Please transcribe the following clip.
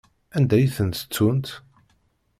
Anda i tent-ttunt?